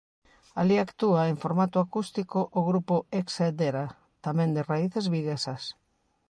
Alí actúa, en formato acústico, o grupo Ex Hedera, tamén de raíces viguesas.